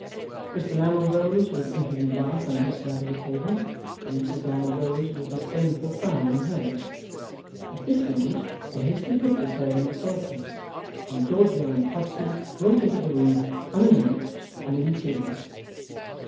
Mr Lammle rose with an impudent laugh on his side of the table, and Mrs Lammle rose with a disdainful frown on hers. At this moment a hasty foot was heard on the staircase, and Georgiana Podsnap broke into the room, unannounced and in tears.